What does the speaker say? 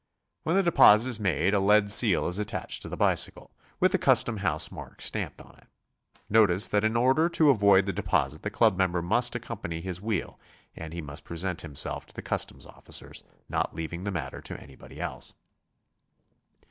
When the deposit is made a lead seal is attached to the bicycle, with the custom house mark stamped on it. Notice that in order to avoid the de posit the club member must accompany his wheel, and he must present himself to the customs officers, not leaving the matter to anybody else.